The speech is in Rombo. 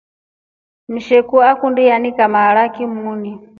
Msheku akundi anika maraki muuni.